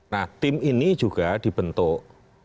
nah tim ini juga dibentuk